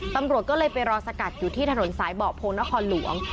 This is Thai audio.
ตำรวจก็เลยไปรอสกัดอยู่ที่ถนนสายเบาะโพงนครหลวง